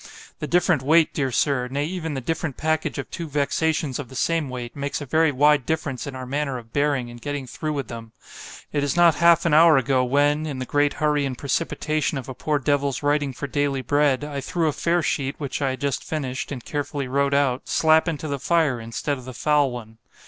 The different weight, dear Sir——nay even the different package of two vexations of the same weight——makes a very wide difference in our manner of bearing and getting through with them.——It is not half an hour ago, when (in the great hurry and precipitation of a poor devil's writing for daily bread) I threw a fair sheet, which I had just finished, and carefully wrote out, slap into the fire, instead of the foul one.